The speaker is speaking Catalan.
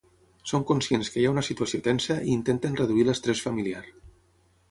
Són conscients que hi ha una situació tensa i intenten reduir l'estrès familiar.